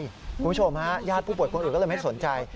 คุณผู้ชมฮะญาติผู้ป่วยคนอื่นก็เลยไม่สนใจ